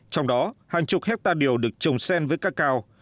trong đó hàng chục hectare điều được trồng sen với ca cao